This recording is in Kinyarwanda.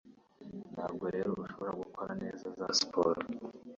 Ntabwo rero ushobora gukora neza za siporo